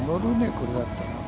これだったら。